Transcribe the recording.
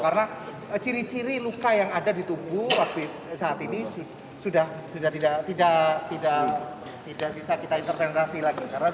karena ciri ciri luka yang ada di tubuh saat ini sudah tidak bisa kita intervenasi lagi karena sudah tidak fresh